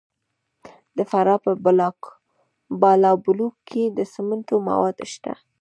د فراه په بالابلوک کې د سمنټو مواد شته.